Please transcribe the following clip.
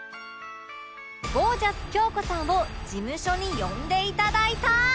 ゴージャス京子さんを事務所に呼んでいただいた